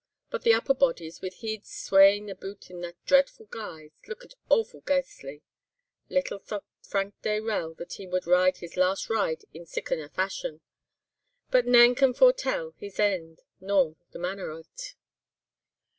But the upper bodies, with heids swaying aboot in that dreadful guise, lookit awfu' ghaistly. Little thocht Frank Dayrell that he wad ride his last ride in siccan a fashion. But nane can foretell his eend, nor the manner o't.